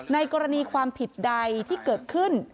ในกรณีความผิดใดที่เกิดขึ้น